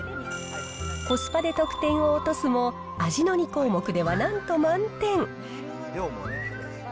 コスパで得点を落とすも、味の２項目ではなんと満点。